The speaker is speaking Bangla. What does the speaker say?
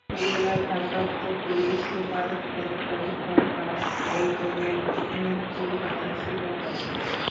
জেলার ভারপ্রাপ্ত পুলিশ সুপার সঞ্চয় সরকার একজনের মৃত্যুর কথা স্বীকার করেন।